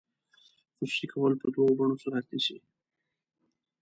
خصوصي کول په دوه بڼو صورت نیسي.